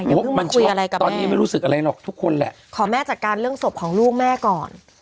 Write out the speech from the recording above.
ผมว่ามันคุยอะไรกันตอนนี้ยังไม่รู้สึกอะไรหรอกทุกคนแหละขอแม่จัดการเรื่องศพของลูกแม่ก่อน